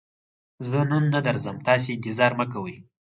زه نن نه درځم، تاسې انتظار مکوئ!